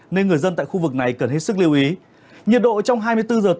nên người dân tại khu vực này cần hết sức lưu ý